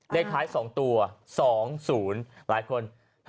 เลขท้าย๒ตัว๒๐หลายคน